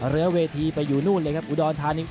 เหลือเวทีไปอยู่นู่นเลยครับอุดรธานี